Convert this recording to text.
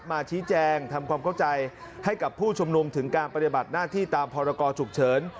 มาชี้แจงทำความเข้าใจให้กับผู้ชุมนุมถึงการปฏิบัติหน้าที่ตามพรกรฉุกเฉิน